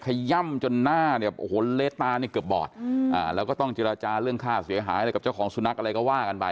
ขย่ำจนหน้าเนี่ยโอ้โหเละตาเนี่ยเกือบบอดแล้วก็ต้องเจรจาเรื่องค่าเสียหายอะไรกับเจ้าของสุนัขอะไรก็ว่ากันไป